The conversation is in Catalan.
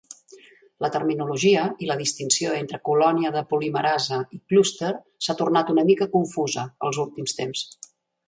La terminologia i la distinció entre "colònia de polimerasa" i "clúster" s"ha tornat una mica confusa als últims temps.